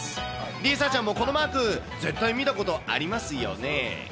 梨紗ちゃんもこのマーク、絶対見たことありますよね？